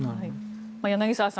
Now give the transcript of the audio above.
柳澤さん